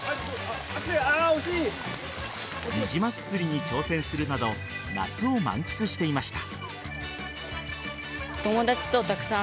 ニジマス釣りに挑戦するなど夏を満喫していました。